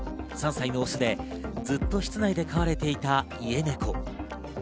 ３歳のオスでずっと室内で飼われていた家ネコ。